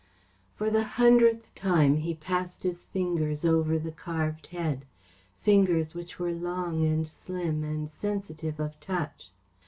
For the hundredth time he passed his fingers over the carved head; fingers which were long and slim and sensitive of touch.